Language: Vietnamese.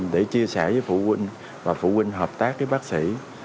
để chia sẻ với phụ huynh và phụ huynh hợp tác với bác sĩ